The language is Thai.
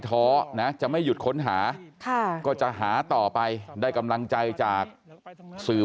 ท้อนะจะไม่หยุดค้นหาค่ะก็จะหาต่อไปได้กำลังใจจากสื่อ